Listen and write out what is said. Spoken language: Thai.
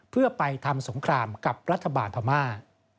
เพื่อไปทำสงครามกับรัฐบาลพม่า